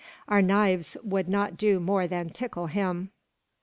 Our knives would not do more than tickle him."